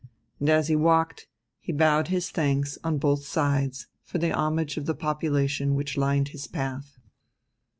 And as he walked he bowed his thanks on both sides for the homage of the population which lined his path.